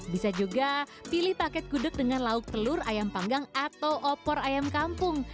bisa juga pilih paket gudeg dengan lauk telur ayam panggang atau opor ayam kampung